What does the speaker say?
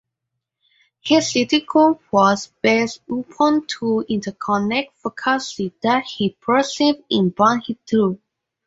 His critique was based upon two, interconnected fallacies that he perceived in Buddhist thought.